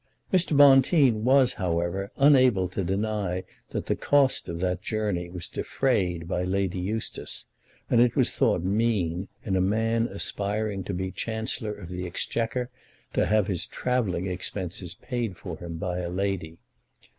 Mr. Bonteen was, however, unable to deny that the cost of that journey was defrayed by Lady Eustace, and it was thought mean in a man aspiring to be Chancellor of the Exchequer to have his travelling expenses paid for him by a lady.